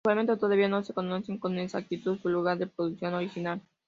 Igualmente, todavía no se conoce con exactitud su lugar de producción original.